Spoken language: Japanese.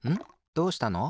どうしたの？